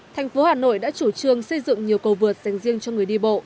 thành phố hà nội đã chủ trương xây dựng nhiều cầu vượt dành riêng cho người đi bộ